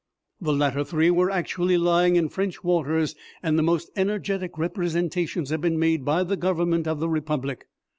The latter three were actually lying in French waters, and the most energetic representations have been made by the Government of the Republic.